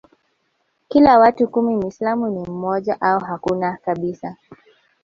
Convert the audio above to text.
kila watu kumi Mwislamu ni mmoja au hakuna kabisa